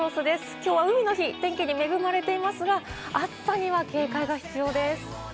きょうは海の日、天気に恵まれていますが、暑さには警戒が必要です。